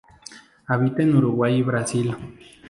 Habita en Uruguay y Brasil.